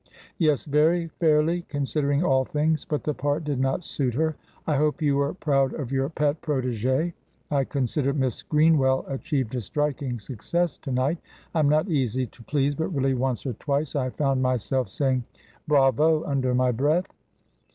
"Yes, very fairly, considering all things; but the part did not suit her. I hope you were proud of your pet protegée. I consider Miss Greenwell achieved a striking success to night. I am not easy to please, but really once or twice I found myself saying 'Bravo!' under my breath."